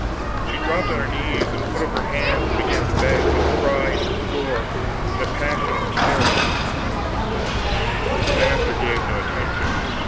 She dropped on her knees and put up her hands and began to beg, and cry, and implore, in a passion of terror, but the master gave no attention.